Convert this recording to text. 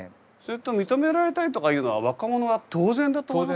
認められたいとかいうのは若者は当然だと思いますよ。